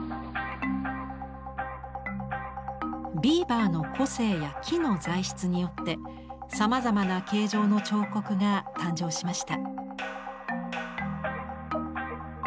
ビーバーの個性や木の材質によってさまざまな形状の彫刻が誕生しました。